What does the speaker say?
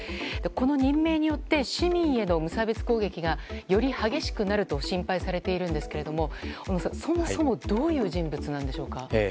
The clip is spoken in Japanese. この任命によって市民への無差別攻撃がより激しくなると心配されているんですが小野さん、そもそもどういう人物なんでしょうか。